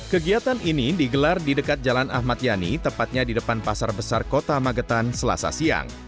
kegiatan ini digelar di dekat jalan ahmad yani tepatnya di depan pasar besar kota magetan selasa siang